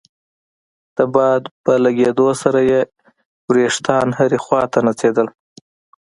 د باد په لګېدو سره يې ويښتان هرې خوا ته نڅېدل.